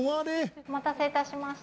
お待たせいたしました。